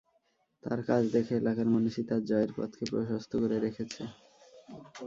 তাঁর কাজ দেখে এলাকার মানুষই তাঁর জয়ের পথকে প্রশস্ত করে রেখেছে।